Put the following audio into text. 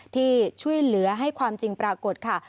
ที่ช่วยเหลือให้ความจริงปรากฏค่ะ